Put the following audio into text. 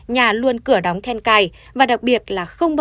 nhà luôn cửa đóng then cài và đặc biệt là không bỏ